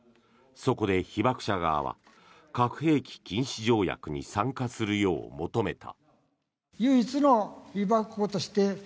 そこで被爆者側は核兵器禁止条約に参加するよう求めた。